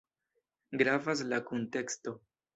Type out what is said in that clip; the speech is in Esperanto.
Gravas la kunteksto.